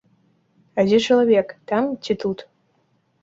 А дзе чалавек, там ці тут?